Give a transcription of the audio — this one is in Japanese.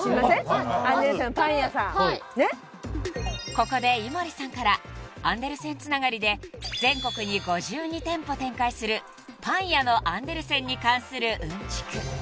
［ここで井森さんからアンデルセンつながりで全国に５２店舗展開するパン屋のアンデルセンに関するうんちく］